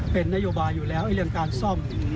เป็นนโยบายอยู่แล้วเรื่องการซ่อม